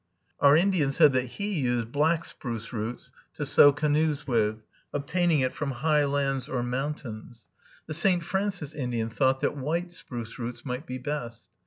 Our Indian said that he used black spruce roots to sew canoes with, obtaining it from high lands or mountains. The St. Francis Indian thought that white spruce roots might be best.